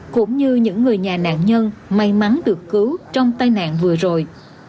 cũng như những người nhà nạn nhân may mắn được cứu trong tai nạn vừa rồi